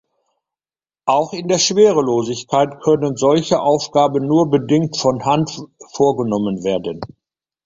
Auch in der Schwerelosigkeit können solche Aufgaben nur bedingt von Hand vorgenommen werden.